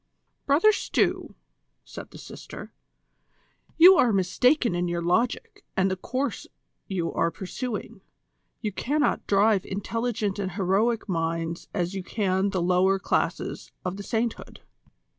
"Brother Stew," said the sister, "you are mistaken in your logic and the course you are pursuing. You cannot drive intelligent and heroic minds as you can the lower classes of the sainthood.